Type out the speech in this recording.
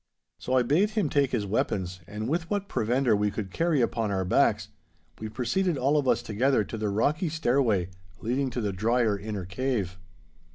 So I bade him take his weapons, and with what provender we could carry upon our backs we proceeded all of us together to the rocky stairway leading to the drier inner cave.